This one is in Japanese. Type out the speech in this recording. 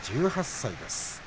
１８歳です。